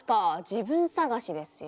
自分探しですよ。